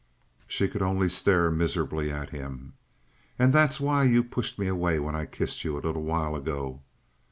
She could only stare miserably at him. "And that was why you pushed me away when I kissed you a little while ago?"